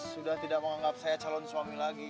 sudah tidak menganggap saya calon suami lagi